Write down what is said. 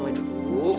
mama duduk dulu